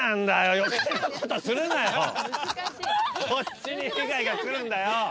こっちに被害が来るんだよ。